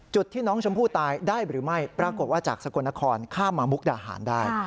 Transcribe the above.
ที่น้องชมพู่ตายได้หรือไม่ปรากฏว่าจากสกลนครข้ามมามุกดาหารได้